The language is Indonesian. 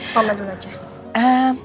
pongat dulu aja